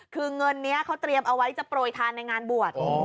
คือเงินนี้เขาเตรียมเอาไว้จะโปรยทานในงานบวช